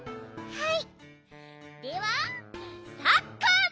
はい！